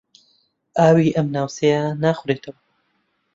ئاوی ئەم ناوچەیە ناخورێتەوە.